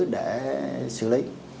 để xử lý